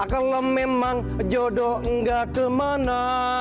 kalau memang jodoh enggak kemana